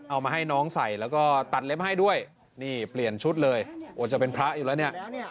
เอามาให้น้องใส่แล้วก็ตัดเล็บให้ด้วยนี่เปลี่ยนชุดเลยโอ้จะเป็นพระอยู่แล้วเนี่ย